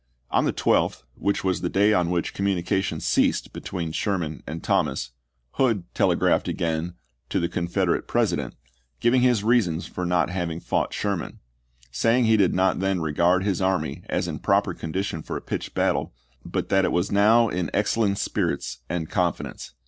On the 12th, which was the day on which communica tion ceased between Sherman and Thomas, Hood telegraphed again to the Confederate President, giving his reasons for not having fought Sherman ; saying he did not then regard his army as in proper condition for a pitched battle, but that it was now FKANKLIN AND NASHVILLE in excellent spirits and confidence.